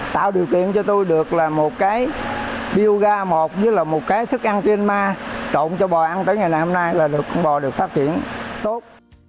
tạo điều kiện cho tôi được là một cái biêu ga một với một cái thức ăn trên ma trộn cho bò ăn tới ngày hôm nay là được con bò được phát triển tốt